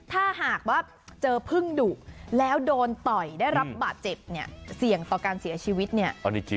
ถ้าหากว่าเจอพึ่งดุแล้วโดนต่อยได้รับบาดเจ็บเนี่ยเสี่ยงต่อการเสียชีวิตเนี่ย